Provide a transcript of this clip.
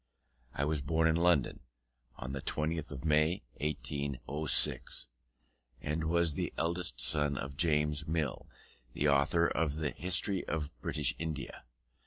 I was born in London, on the 20th of May, 1806, and was the eldest son of James Mill, the author of the History of British India.